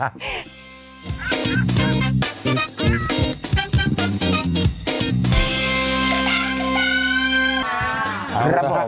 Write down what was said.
เอาลุยครับค่ะ